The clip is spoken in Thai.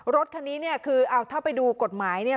รถคันนี้คือถ้าไปดูกฎหมาย